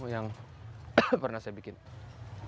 yang pernah saya bikin